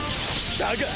だが！